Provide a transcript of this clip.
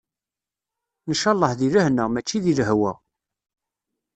Ncalleh di lehna, mačči di lehwa.